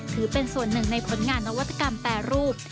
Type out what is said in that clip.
ถือเป็นส่วนหนึ่งในผลงานนวัตกรรมแปรรูป